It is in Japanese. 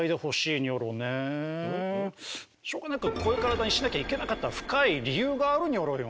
しょうがなくこういう体にしなきゃいけなかった深い理由があるニョロよ。